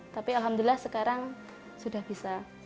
tapi alhamdulillah sekarang sudah bisa